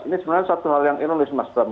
ini sebenarnya satu hal yang ironis mas bram